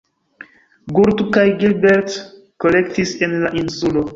Gould kaj Gilbert kolektis en la insulo.